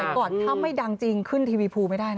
แล้วสมัยก่อนถ้าไม่ดังจริงขึ้นทีวีพูลไม่ได้นะคะ